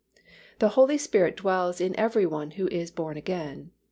The Holy Spirit dwells in every one who is born again.